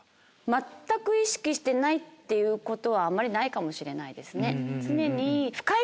全く意識してないっていうことはあまりないかもしれないですね。